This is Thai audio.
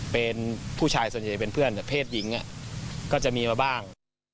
เป็นผู้ชายส่วนใหญ่เป็นเพื่อนเพศหญิงก็จะมีมาบ้าง